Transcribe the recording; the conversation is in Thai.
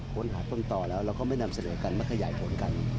ค้นหาต้นต่อแล้วเราก็ไม่นำเสนอกันมาขยายผลกัน